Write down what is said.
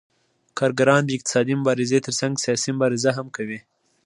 کارګران د اقتصادي مبارزې ترڅنګ سیاسي مبارزه هم کوي